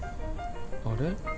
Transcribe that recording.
あれ？